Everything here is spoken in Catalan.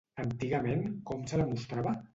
Antigament, com se la mostrava?